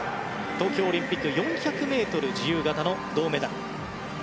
東京オリンピック４００ｍ自由形の銅メダル。